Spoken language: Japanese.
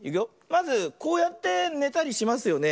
まずこうやってねたりしますよね。